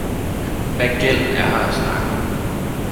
Hvad gæld er her at snakke om!